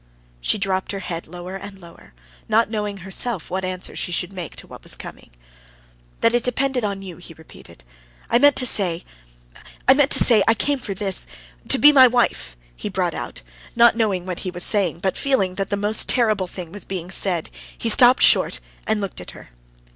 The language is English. She dropped her head lower and lower, not knowing herself what answer she should make to what was coming. "That it depended on you," he repeated. "I meant to say ... I meant to say ... I came for this ... to be my wife!" he brought out, not knowing what he was saying; but feeling that the most terrible thing was said, he stopped short and looked at her....